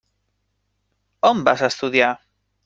On vas estudiar?